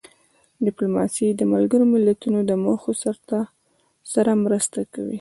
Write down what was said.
ډیپلوماسي د ملګرو ملتونو د موخو سره مرسته کوي.